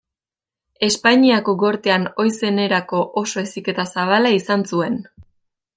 Espainiako gortean ohi zenerako oso heziketa zabala izan zuen.